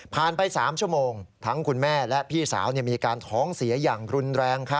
ไป๓ชั่วโมงทั้งคุณแม่และพี่สาวมีการท้องเสียอย่างรุนแรง